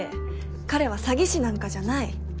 彼は詐欺師なんかじゃない！